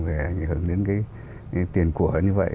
và ảnh hưởng đến cái tiền của như vậy